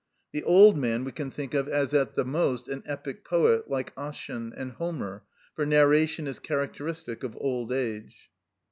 The old man we can think of as at the most an epic poet, like Ossian, and Homer, for narration is characteristic of old age.